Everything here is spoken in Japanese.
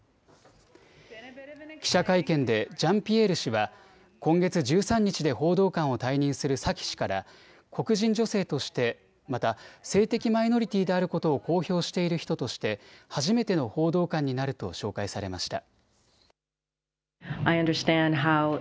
記者会見でジャンピエール氏は今月１３日で報道官を退任するサキ氏から黒人女性としてまた、性的マイノリティーであることを公表している人として初めての報道官になると紹介されました。